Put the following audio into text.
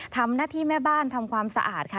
ทำหน้าที่แม่บ้านทำความสะอาดค่ะ